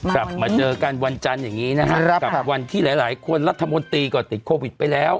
กลับมาเจอกันวันจันทร์อย่างนี้นะครับกับวันที่หลายหลายคนรัฐมนตรีก็ติดโควิดไปแล้ว